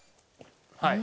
はい。